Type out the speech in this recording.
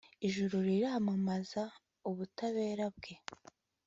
ijuru riramamaza ubutabera bwe